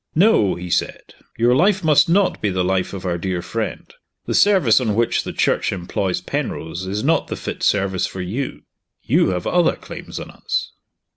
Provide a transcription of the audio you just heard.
"No," he said, "your life must not be the life of our dear friend. The service on which the Church employs Penrose is not the fit service for you. You have other claims on us."